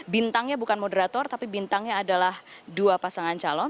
bintangnya bukan moderator tapi bintangnya adalah dua pasangan calon